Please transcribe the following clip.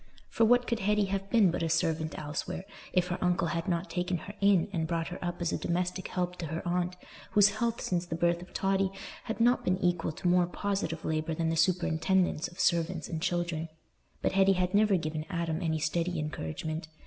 For what could Hetty have been but a servant elsewhere, if her uncle had not taken her in and brought her up as a domestic help to her aunt, whose health since the birth of Totty had not been equal to more positive labour than the superintendence of servants and children? But Hetty had never given Adam any steady encouragement.